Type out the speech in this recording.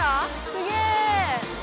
すげえ。